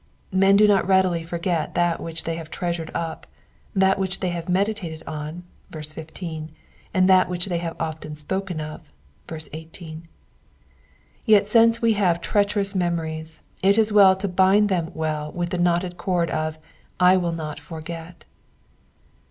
''^ Men do not readily forget that which they have treasured up, that which they have meditated on (verse 15), and that which they have often spoken of (verse 13). Yet since we have treacherous memories it is well to bind them well with the knotted cord of ^^ I will not forget."